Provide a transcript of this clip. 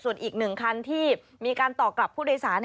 ส่วนอีก๑คันที่มีการต่อกลับผู้โดยสาร